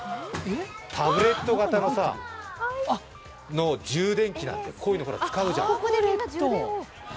タブレット型の充電器なんだよ、こういうの使うじゃん。